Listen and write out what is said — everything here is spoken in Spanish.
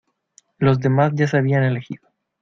Los demás ya se habían elegido.